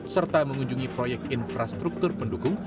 serta mengunjungi proyek infrastruktur pendukung